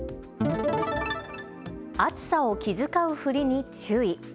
暑さを気遣うふりに注意。